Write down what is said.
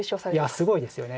いやすごいですよね。